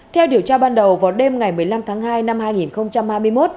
theo điều tra ban đầu vào đêm ngày một mươi năm tháng hai năm hai nghìn hai mươi một